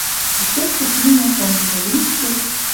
Эче Софинӓ, тӓнгжӹ лишкӹ